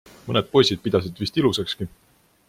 Mõned poisid pidasid vist ilusakski.